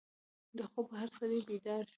د خوبه هر سړی بیدار شو.